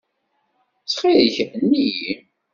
Ttxil-k, henni-iyi.